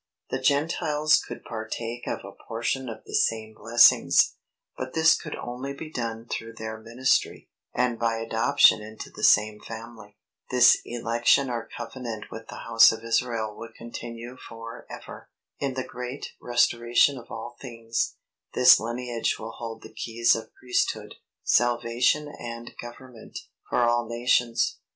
The Gentiles could partake of a portion of the same blessings, but this could only be done through their ministry, and by adoption into the same family. This election or covenant with the house of Israel will continue for ever. In the great restoration of all things, this lineage will hold the keys of Priesthood, salvation and government, for all nations.